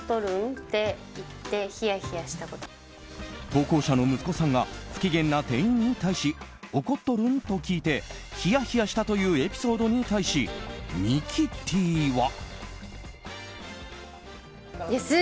投稿者の息子さんが不機嫌な店員に対し怒っとるん？と聞いてひやひやしたというエピソードに対し、ミキティは。